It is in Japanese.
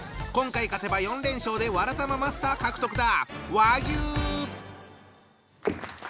今回勝てば４連勝でわらたまマスター獲得だ。